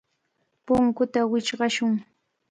Punkuta wichqashun.